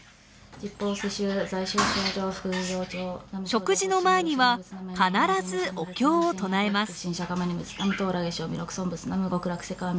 食事の前には必ずお経を唱えます。